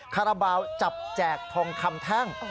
คาราบาลจับแจกทองคำแท่ง